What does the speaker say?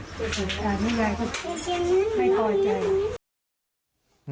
กับเหตุการณ์ที่ยายไม่กล่อยใจ